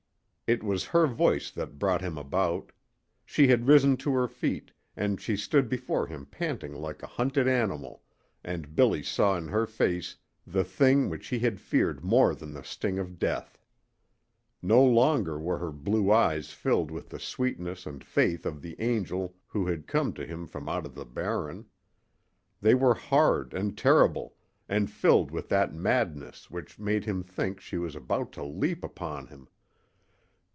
It was her voice that brought him about. She had risen to her feet, and she stood before him panting like a hunted animal, and Billy saw in her face the thing which he had feared more than the sting of death. No longer were her blue eyes filled with the sweetness and faith of the angel who had come to him from out of the Barren. They were hard and terrible and filled with that madness which made him think she was about to leap upon him.